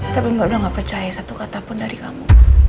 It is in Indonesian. tapi mbak udah gak percaya satu kata pun dari kamu